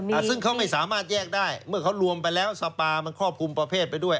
อ่าซึ่งเขาไม่สามารถแยกได้เมื่อเขารวมไปแล้วสปามันครอบคลุมประเภทไปด้วย